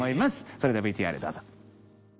それではＶＴＲどうぞ。